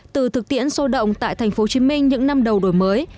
từ thực tiễn sâu động tại thành phố hồ chí minh những năm đầu đổi mới